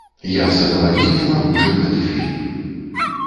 Я з задавальненнем агучыў гэты фільм.